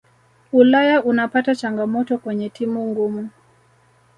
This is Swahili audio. ulaya unapata changamoto kwenye timu ngumu